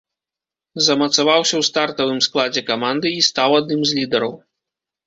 Замацаваўся ў стартавым складзе каманды і стаў адным з лідараў.